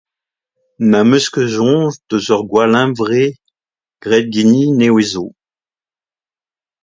N'am eus ket soñj deus ur gwallhunvre graet ganin nevez zo.